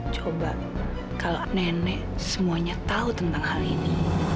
coba kalau nenek semuanya tahu tentang hal ini